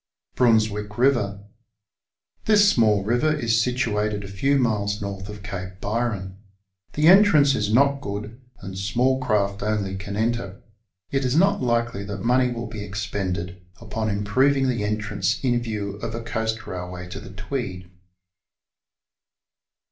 . BEUNSWICK EIVEE.ŌĆö This small river is situated a few miles N. of Cape Byron. The entrance is not good, and small craft only can enter. It is not likely that money will be expended upon improving the entrance in the view of a coast railway to the Tweed.